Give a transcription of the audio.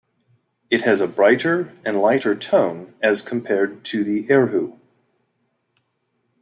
It has a brighter and lighter tone as compared to the "erhu".